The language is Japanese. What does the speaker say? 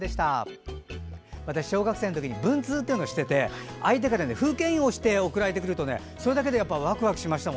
私、小学生のころ文通をしてて相手が風景印を押して送ってくれるとそれだけでワクワクしました。